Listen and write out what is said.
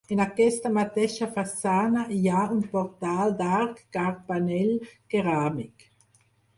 En aquesta mateixa façana hi ha un portal d'arc carpanell ceràmic.